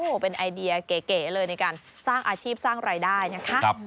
โอ้โหเป็นไอเดียเก๋เลยในการสร้างอาชีพสร้างรายได้นะคะ